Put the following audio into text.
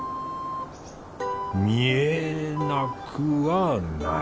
見えなくはない